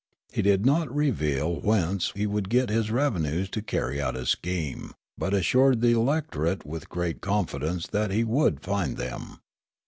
He did not reveal whence he would get his revenues to carry out his scheme, but assured the electorate with great con fidence that he would find them.